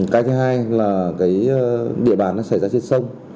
cái thứ hai là địa bản xảy ra trên sông